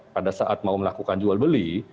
pada saat mau melakukan jual beli